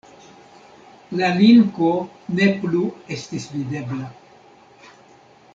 La linko ne plu estis videbla.